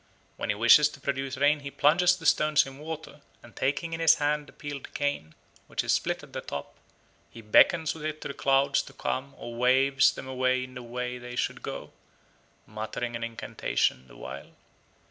When he wishes to produce rain he plunges the stones in water, and taking in his hand a peeled cane, which is split at the top, he beckons with it to the clouds to come or waves them away in the way they should go, muttering an incantation the while.